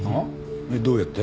えっどうやって？